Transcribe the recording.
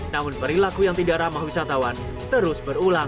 namun perilaku yang tidak ramah wisatawan terus berulang